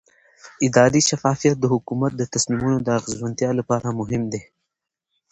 اداري شفافیت د حکومت د تصمیمونو د اغیزمنتیا لپاره مهم دی